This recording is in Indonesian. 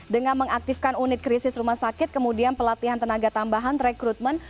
dengan mengaktifkan unit krisis rumah sakit kemudian pelatihan tenaga tambahan rekrutmen